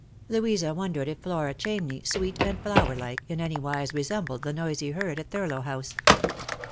Louisa wondered if Flora Chamney, sweet and flower like, in any wise resembled the noisy herd at Thurlow House.